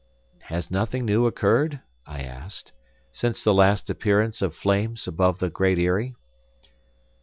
"Has nothing new occurred," I asked, "since the last appearance of flames above the Great Eyrie?"